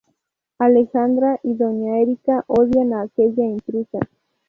Alejandra y doña Erika odian a aquella intrusa.